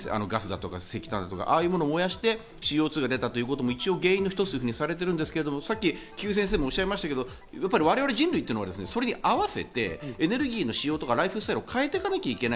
石炭だとか、そういうものを燃やしてＣＯ２が出たということも原因の一つとされているんですけど、菊地先生もおっしゃいましたが我々、人類というのは、それに合わせてエネルギーの使用やライフスタイルを変えていかなきゃいけない。